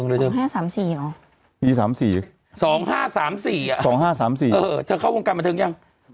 ๒๕๓๔เออเธอเข้ากวงการบนประเทิงยัง